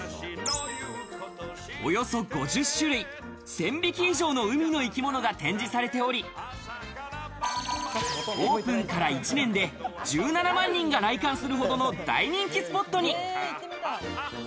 およそ５０種類、１０００匹以上の海の生き物が展示されており、オープンから１年で１７万人が来館するほどの大人気スポットに。